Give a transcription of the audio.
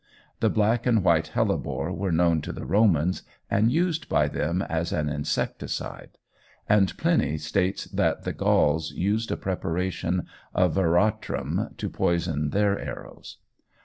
The black and white hellebore were known to the Romans, and used by them as an insecticide, and Pliny states that the Gauls used a preparation of veratrum to poison their arrows.